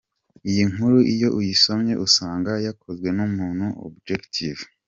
Iyi nkuru iyo uyisomye usanga yakozwe numuntu objective.